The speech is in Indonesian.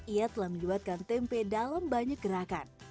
ia telah menyebabkan tempe dalam banyak gerakan